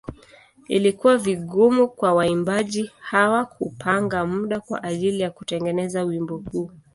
Ilikuwa vigumu kwa waimbaji hawa kupanga muda kwa ajili ya kutengeneza wimbo huu.